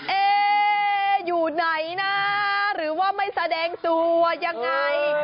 เอ๊อยู่ไหนนะหรือว่าไม่แสดงตัวยังไง